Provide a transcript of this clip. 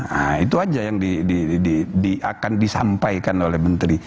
nah itu aja yang akan disampaikan oleh menteri